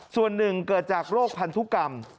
ส่วนหนึ่งเกิดจากโรคพันธุกรรม